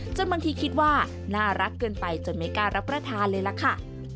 บางทีคิดว่าน่ารักเกินไปจนไม่กล้ารับประทานเลยล่ะค่ะ